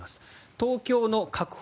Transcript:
東京の確保